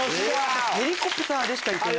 ヘリコプターでしか行けない？